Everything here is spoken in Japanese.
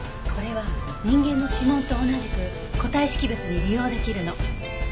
これは人間の指紋と同じく個体識別に利用できるの。